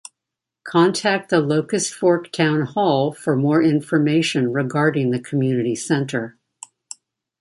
Contact the Locust Fork Town Hall for more information regarding the Community Center.